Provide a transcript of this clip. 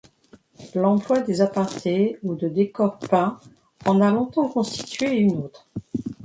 L’emploi des apartés ou de décors peints en a longtemps constitué une autre.